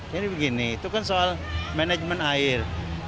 jadi begini itu kan soal manajemen air